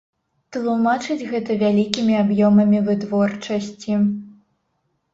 Тлумачыць гэта вялікімі аб'ёмамі вытворчасці.